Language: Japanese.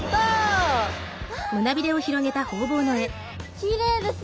きれいですね